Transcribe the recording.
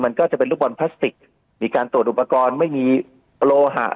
มันก็จะเป็นลูกบอลพลาสติกมีการตรวจอุปกรณ์ไม่มีโลหะ